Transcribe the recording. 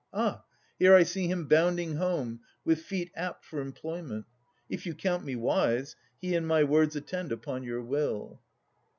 Ah! here I see him bounding home, with feet Apt for employment! If you count me wise, He and my words attend upon your will.